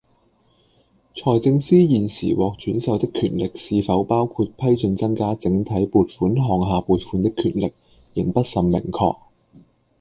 財政司現時獲轉授的權力是否包括批准增加整體撥款項下撥款的權力，仍不甚明確